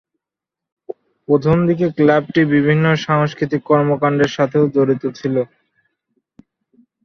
প্রথম দিকে ক্লাবটি বিভিন্ন সাংস্কৃতিক কর্মকান্ডের সাথেও জড়িত ছিল।